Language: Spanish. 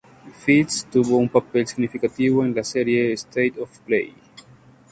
Feast tuvo un papel significativo en la serie "State of Play".